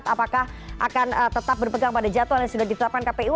apakah akan tetap berpegang pada jadwal yang sudah ditetapkan kpu